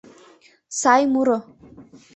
— Сай муро!